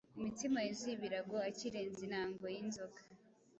imitsima yuzuye ibirago, akirenza intango z’inzoga